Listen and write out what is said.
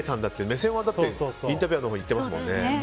目線はインタビュアーのほうにいっていますもんね。